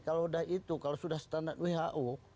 kalau sudah itu kalau sudah standar who